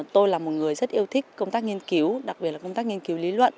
tôi là một người rất yêu thích công tác nghiên cứu đặc biệt là công tác nghiên cứu lý luận